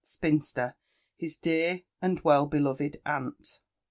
spinster, his dear and well beloved aunt.